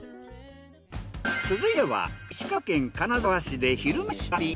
続いては石川県金沢市で「昼めし旅」。